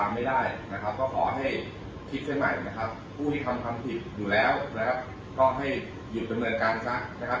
ส่งความแตกแยกในสังคมนะครับซึ่งยังปันผิดทางด้านความมั่นคงด้วยนะครับ